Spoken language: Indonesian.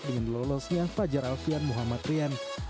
dengan lolosnya fajar alfian muhammad rian